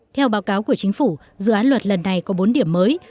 theo báo cáo của chính phủ dự án luật lần này có bốn điểm mới